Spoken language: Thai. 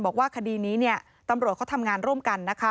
บอกว่าข้าดี้นี้เนี่ยตำรวจเขาทำงานร่วมกัน